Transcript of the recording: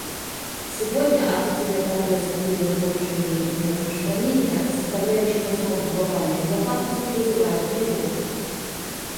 Сегодня отсутствие прогресса в деле разоружения и нераспространения, составляющих основу глобальной безопасности, вызывает тревогу.